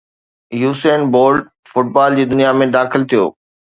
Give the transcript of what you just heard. Usain Bolt football جي دنيا ۾ داخل ٿيو